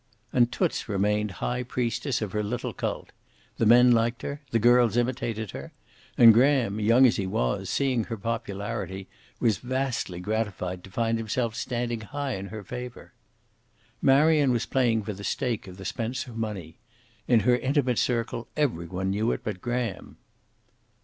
And Toots remained high priestess of her little cult. The men liked her. The girls imitated her. And Graham, young as he was, seeing her popularity, was vastly gratified to find himself standing high in her favor. Marion was playing for the stake of the Spencer money. In her intimate circle every one knew it but Graham.